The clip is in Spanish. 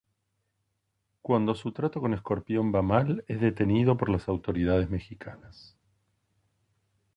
Cuando su trato con Escorpión va mal, es detenido por las autoridades mexicanas.